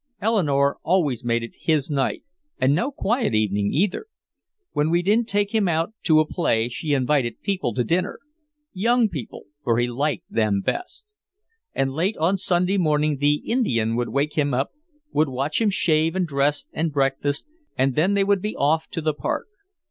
Eleanore always made it his night and no quiet evening, either. When we didn't take him out to a play she invited people to dinner young people, for he liked them best. And late on Sunday morning the "Indian" would wake him up, would watch him shave and dress and breakfast, and then they would be off to the Park.